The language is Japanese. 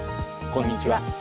こんにちは。